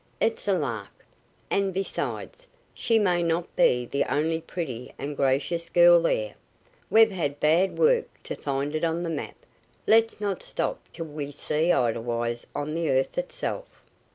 It's a lark, and, besides, she may not be the only pretty and gracious girl there. We've had hard work to find it on the map, let's not stop till we see Edelweiss on the earth itself."